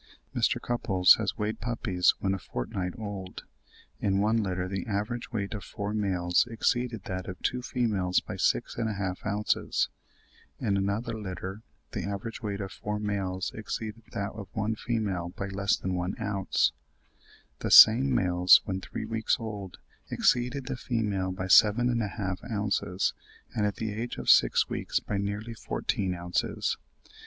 Mr. Cupples has weighed puppies when a fortnight old; in one litter the average weight of four males exceeded that of two females by six and a half ounces; in another litter the average weight of four males exceeded that of one female by less than one ounce; the same males when three weeks old, exceeded the female by seven and a half ounces, and at the age of six weeks by nearly fourteen ounces.